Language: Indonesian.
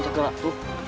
paman gak kesurupan